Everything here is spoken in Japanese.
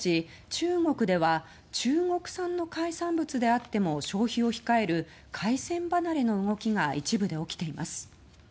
中国では中国産の海産物であっても消費を控える海鮮離れの動きが一部で起きています。